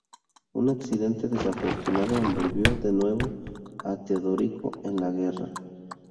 Un accidente desafortunado envolvió de nuevo a Teodorico en la guerra.